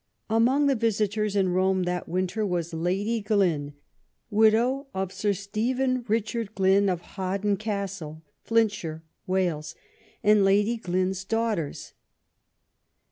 Among the visitors in Rome that winter were Lady Glynne, widow of Sir Stephen Richard Glynne, of Hawarden Castle, Flintshire, Wales, and Lady Glynne's daughters.